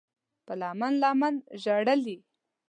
په لمن، لمن ژړلي